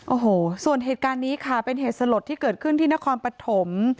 โอ้โหส่วนเหตุการณ์นี้ค่ะเป็นเหตุสลดที่เกิดขึ้นที่นครปฐม